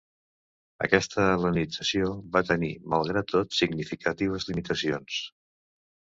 Aquesta hel·lenització va tenir, malgrat tot, significatives limitacions.